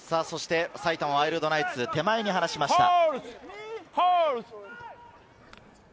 埼玉ワイルドナイツ、手前にはなしました。